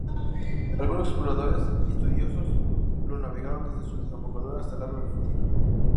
Algunos exploradores y estudiosos lo navegaron desde su desembocadura hasta el lago Argentino.